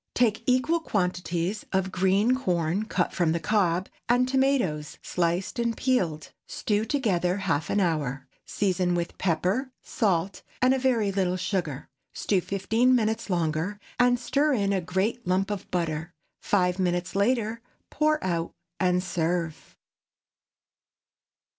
Take equal quantities of green corn cut from the cob, and tomatoes sliced and peeled. Stew together half an hour; season with pepper, salt, and a very little sugar. Stew fifteen minutes longer, and stir in a great lump of butter. Five minutes later, pour out and serve.